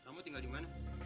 kamu tinggal dimana